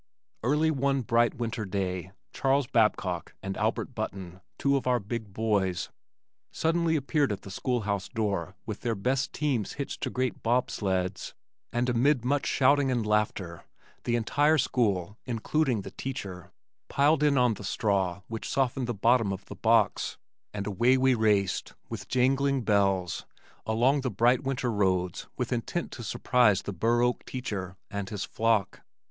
Early one bright winter day Charles Babcock and Albert Button, two of our big boys, suddenly appeared at the school house door with their best teams hitched to great bob sleds, and amid much shouting and laughter, the entire school (including the teacher) piled in on the straw which softened the bottom of the box, and away we raced with jangling bells, along the bright winter roads with intent to "surprise" the Burr Oak teacher and his flock.